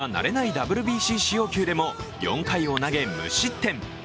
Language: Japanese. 佐々木は慣れないＷＢＣ使用球でも４回を投げ、無失点。